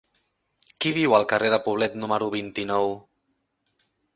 Qui viu al carrer de Poblet número vint-i-nou?